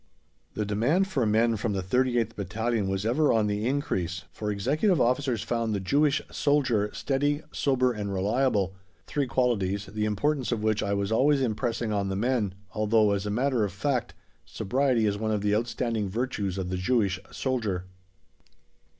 The demand for men from the 38th Battalion was ever on the increase, for executive officers found the Jewish soldier steady, sober and reliable, three qualities, the importance of which I was always impressing on the men, although, as a matter of fact, sobriety is one of the outstanding virtues of the Jewish soldier.